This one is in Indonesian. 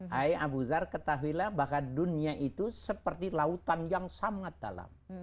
hai abu wizar ketahuilah bahwa dunia itu seperti lautan yang sangat dalam